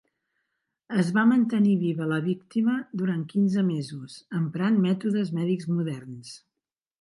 Es va mantenir viva la víctima durant quinze mesos emprant mètodes mèdics moderns.